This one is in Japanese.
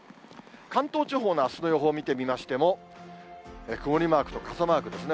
関東地方のあすの予報を見てみましても、曇りマークと傘マークですね。